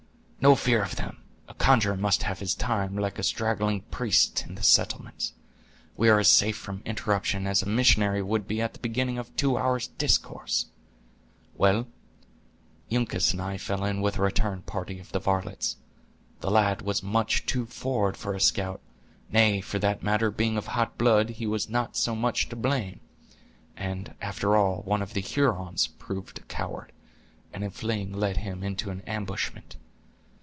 "No fear of them. A conjurer must have his time, like a straggling priest in the settlements. We are as safe from interruption as a missionary would be at the beginning of a two hours' discourse. Well, Uncas and I fell in with a return party of the varlets; the lad was much too forward for a scout; nay, for that matter, being of hot blood, he was not so much to blame; and, after all, one of the Hurons proved a coward, and in fleeing led him into an ambushment."